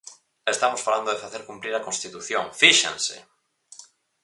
Estamos falando de facer cumprir a Constitución, ¡fíxense!